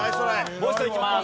もう一度いきます。